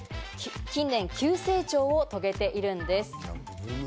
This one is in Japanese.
近年、急成長を遂げているんです。